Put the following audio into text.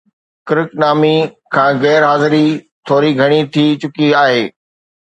ڪرڪ نامي کان غير حاضري ٿوري گهڻي ٿي چڪي آهي